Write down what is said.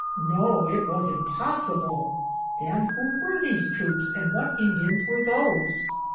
No, it was impossible. Then who were these troops and what In dians were those?